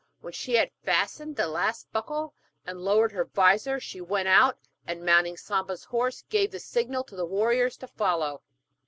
When she had fastened the last buckle, and lowered her vizor, she went out, and mounting Samba's horse, gave the signal to the warriors to follow.